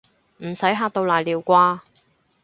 唔使嚇到瀨尿啩